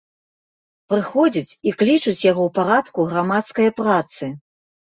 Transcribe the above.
Прыходзяць і клічуць яго ў парадку грамадскае працы.